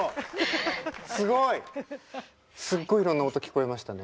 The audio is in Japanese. すっごいいろんな音聞こえましたね。